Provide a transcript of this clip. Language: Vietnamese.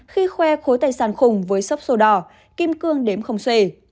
khi khoe khối tài sản khủng với sốc sổ đỏ kim cương đếm không xê